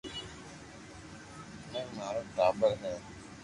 ٻي مارو ٽاٻر ھي